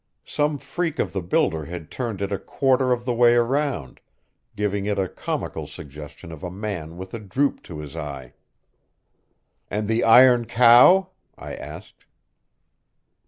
Some freak of the builder had turned it a quarter of the way around, giving it a comical suggestion of a man with a droop to his eye. "And the iron cow?" I asked.